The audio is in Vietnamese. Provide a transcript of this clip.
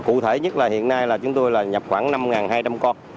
cụ thể nhất là hiện nay là chúng tôi là nhập khoảng năm hai trăm linh con